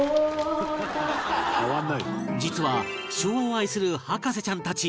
実は昭和を愛する博士ちゃんたち